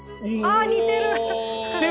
あ似てる！